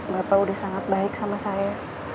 bapak udah sangat baik sama saya